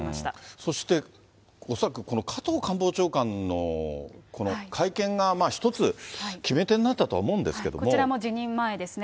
そして恐らく、この加藤官房長官のこの会見が一つ、決め手になったとは思うんでこちらも辞任前ですね。